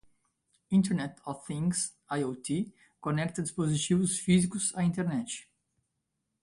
Internet of Things (IoT) conecta dispositivos físicos à internet.